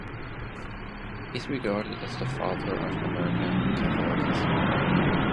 He is regarded as the "Father of American Catholic History".